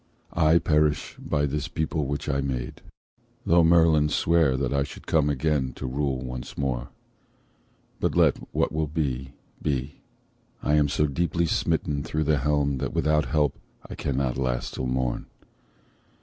I perish by this people which I made,— Though Merlin sware that I should come again To rule once more; but, let what will be, be, I am so deeply smitten through the helm That without help I cannot last till morn.